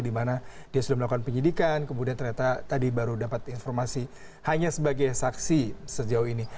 dimana dia sudah melakukan penyidikan kemudian ternyata tadi baru dapat informasi hanya sebagai saksi sejauh ini